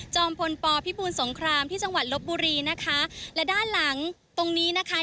พลปพิบูลสงครามที่จังหวัดลบบุรีนะคะและด้านหลังตรงนี้นะคะ